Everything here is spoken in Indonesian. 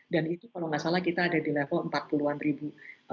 dan itu kalau gak salah kita ada di level empat puluh an ribu